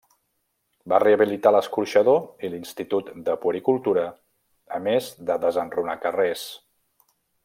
Va rehabilitar l'escorxador i l'Institut de Puericultura, a més de desenrunar carrers.